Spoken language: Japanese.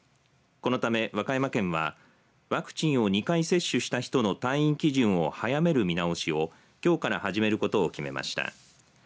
このため、和歌山県はワクチンを２回接種した人の退院基準を早める見直しをきょうから始めることを決めました。